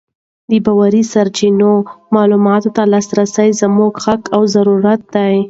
د باوري سرچینو معلوماتو ته لاسرسی زموږ حق او ضرورت دی.